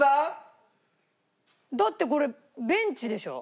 だってこれベンチでしょ？